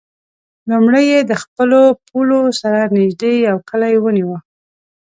لومړی یې د خپلو پولو سره نژدې یو کلی ونیو.